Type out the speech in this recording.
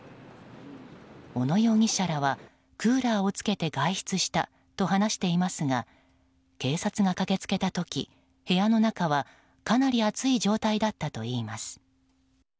小野容疑者らはクーラーをつけて外出したと話していますが警察が駆け付けた時部屋の中はかなり暑い状態だったといいます。